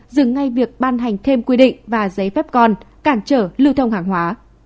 dừng ngay việc ban hành thêm quy định và giấy phép con cản trở lưu thông hàng hóa